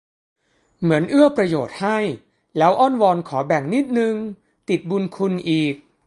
เหมือนเอื้อประโยชน์ให้ แล้วอ้อนวอนขอแบ่งนิดนึง ติดบุญคุณอีก